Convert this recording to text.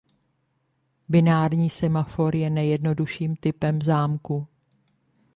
Binární semafor je nejjednodušším typem zámku.